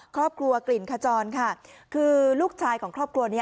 ครอบครัวกลิ่นขจรค่ะคือลูกชายของครอบครัวนี้